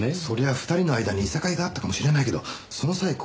そりゃあ２人の間に諍いがあったかもしれないけどその際